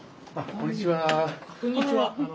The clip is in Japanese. こんにちは。